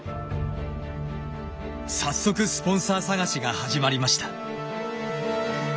早速スポンサー探しが始まりました。